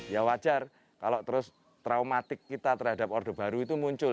ya wajar kalau terus traumatik kita terhadap orde baru itu muncul